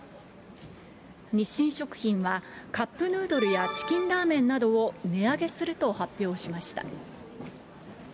日清食品は、カップヌードルやチキンラーメンなどを値上げすると発表しました。